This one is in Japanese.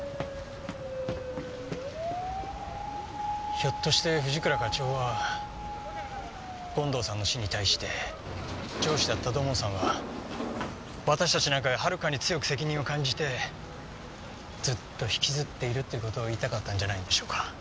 ひょっとして藤倉課長は権藤さんの死に対して上司だった土門さんは私たちなんかよりはるかに強く責任を感じてずっと引きずっているっていう事を言いたかったんじゃないんでしょうか。